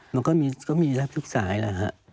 มันก็มีทุกสายแล้ว